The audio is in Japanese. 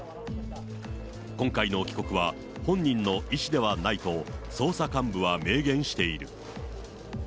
今回の帰国は、本人の意思ではないと、捜査幹部は明言している。